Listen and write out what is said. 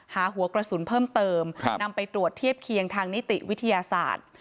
หัวกระสุนเพิ่มเติมนำไปตรวจเทียบเคียงทางนิติวิทยาศาสตร์